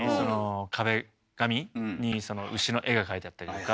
壁紙に牛の絵が描いてあったりとか。